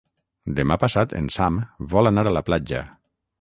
Demà passat en Sam vol anar a la platja.